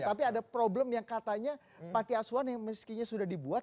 tapi ada problem yang katanya panti asuhan yang meskinya sudah dibuat